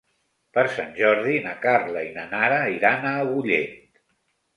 Per Sant Jordi na Carla i na Nara iran a Agullent.